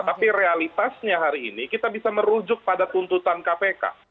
tapi realitasnya hari ini kita bisa merujuk pada tuntutan kpk